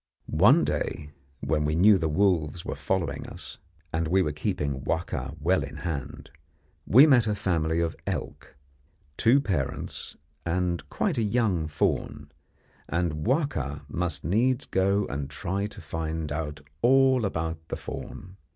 One day, when we knew the wolves were following us, and we were keeping Wahka well in hand, we met a family of elk, two parents and quite a young fawn, and Wahka must needs go and try to find out all about the fawn.